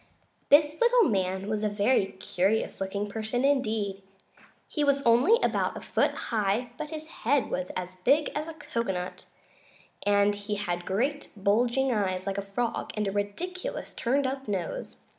This little man was a very curious looking person indeed. He was only about a foot high, but his head was as big as a cocoanut, and he had great, bulging eyes, like a frog, and a ridiculous turned up nose.